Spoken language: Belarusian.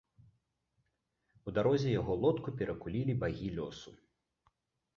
У дарозе яго лодку перакулілі багі лёсу.